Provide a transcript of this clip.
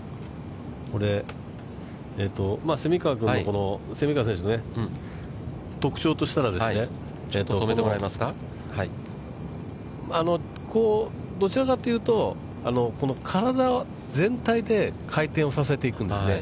これ、蝉川選手の特徴としたらどちらかというと体全体で回転をさせていくんですね。